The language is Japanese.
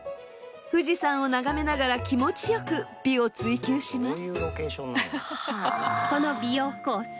富士山を眺めながら気持ちよく美を追求します。